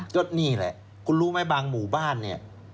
ก็นี่แหละคุณรู้ไหมบางหมู่บ้านเนี่ย